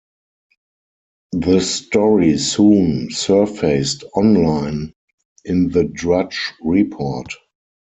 The story soon surfaced online in the Drudge Report.